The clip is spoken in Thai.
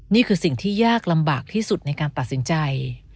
นี่คือสิ่งที่ยากลำบากที่สุดในการตัดสินใจ